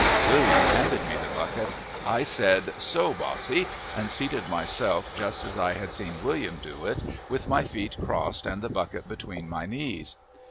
William handed me the bucket. I said, "So, Bossy," and seated myself just as I had seen William do it, with my feet crossed and the bucket between my knees.